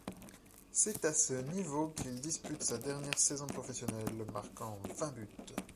C'est à ce niveau qu'il dispute sa dernière saison professionnelle, marquant vingt buts.